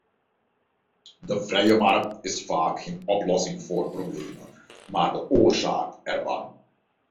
De vrije markt is vaak geen oplossing voor problemen, maar de oorzaak ervan.